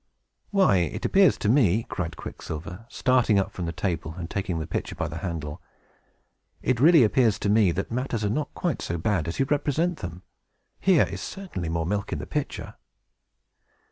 "Why, it appears to me," cried Quicksilver, starting up from table and taking the pitcher by the handle, "it really appears to me that matters are not quite so bad as you represent them. Here is certainly more milk in the pitcher."